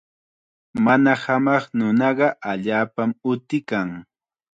Mana hamaq nunaqa allaapam utikan.